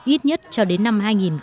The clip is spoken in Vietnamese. ít nhất cho đến năm hai nghìn một mươi tám